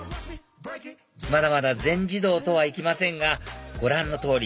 まだまだ全自動とはいきませんがご覧の通り